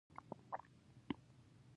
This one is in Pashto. دویم مشروطیت اقتدار او واک ته ورسید.